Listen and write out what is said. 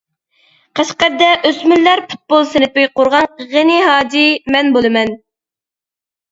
قەشقەردە ئۆسمۈرلەر پۇتبول سىنىپى قۇرغان غېنى ھاجى مەن بولىمەن.